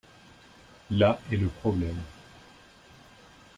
Là est le problème.